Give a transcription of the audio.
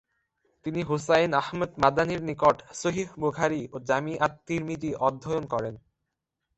তিনি হুসাইন আহমদ মাদানির নিকট সহিহ বুখারি ও জামি আত-তিরমিযি অধ্যয়ন করেন।